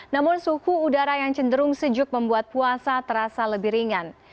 namun suhu udara yang cenderung sejuk membuat puasa terasa lebih ringan